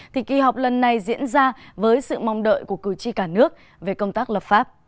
thì kỳ họp lần này diễn ra với sự mong đợi của cử tri cả nước về công tác lập pháp